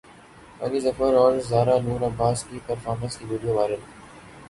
علی ظفر اور زارا نور عباس کی پرفارمنس کی ویڈیو وائرل